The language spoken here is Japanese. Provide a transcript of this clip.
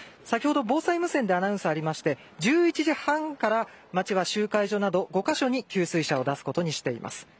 先ほど、防災無線でアナウンスがありまして１１時半から町は集会所など５カ所に給水車を出すことにしています。